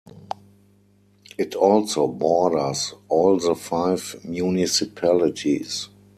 It also borders all the five municipalities.